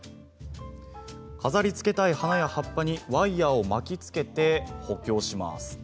飾りつけたい花や葉っぱにワイヤーを巻きつけて補強します。